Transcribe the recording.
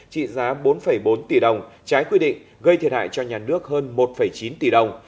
trị giá bốn bốn tỷ đồng trái quy định gây thiệt hại cho nhà nước hơn một chín tỷ đồng